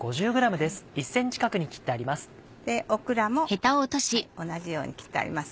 オクラも同じように切ってあります。